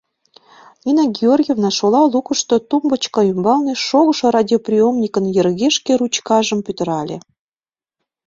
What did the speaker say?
Нина Георгиевна шола лукышто тумбочка ӱмбалне шогышо радиоприемникын йыргешке ручкажым пӱтырале.